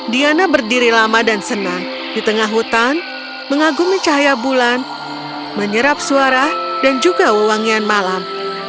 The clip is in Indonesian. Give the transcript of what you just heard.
diana berdiri lama dan senang di tengah hutan mengagumi cahaya bulan menyerap suara dan juga wangian malam